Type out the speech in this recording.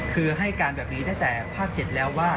คือให้การแบบนี้ตั้งแต่ภาค๗แล้วว่า